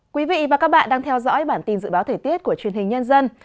quý vị và các bạn đang theo dõi bản tin dự báo thời tiết của truyền hình nhân dân